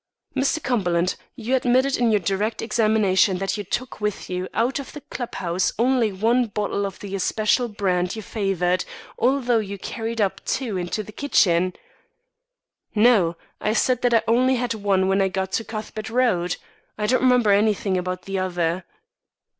"Mr. Cumberland, you admitted in your direct examination that you took with you out of the clubhouse only one bottle of the especial brand you favoured, although you carried up two into the kitchen?" "No, I said that I only had one when I got to Cuthbert Road. I don't remember anything about the other."